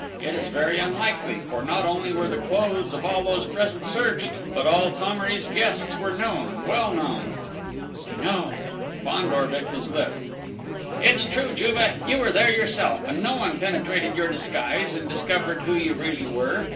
It is very unlikely; for, not only were the clothes of all those present searched, but all Thomery's guests were known, well known!..." "No!" Fandor bit his lip. "It's true, Juve! You were there yourself, and no one penetrated your disguise, and discovered who you really were!